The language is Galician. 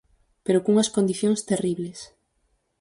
Pero cunhas condicións terribles.